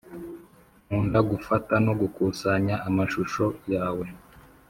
nkunda gufata no gukusanya amashusho yawe